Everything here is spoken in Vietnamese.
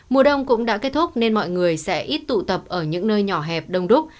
mùa đông cũng đã kết thúc nên mọi người sẽ ít tụ tập ở những nơi nhỏ hẹp đông đúc